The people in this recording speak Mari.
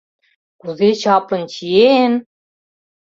Кузе чаплын чиен!